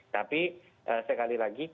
tapi sekali lagi